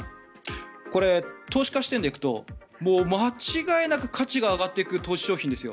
これ、投資家視点で行くともう間違いなく価値が上がっていく投資商品ですよ。